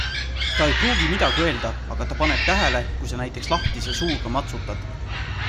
Ta ei pruugi midagi öelda, aga ta paneb tähele, kui sa näiteks lahtise suuga matsutad.